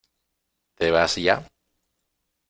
¿ te vas ya?